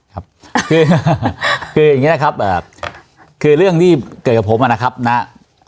ครับคืออย่างนี้นะครับคือเรื่องที่เกิดกับผมนะครับนะ